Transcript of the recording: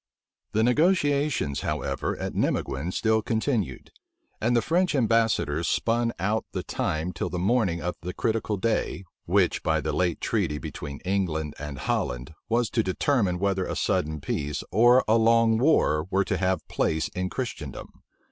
The negotiations, however, at Nimeguen still continued; and the French ambassadors spun out the time till the morning of the critical day, which, by the late treaty between England and Holland, was to determine whether a sudden peace or a long war were to have place in Christendom.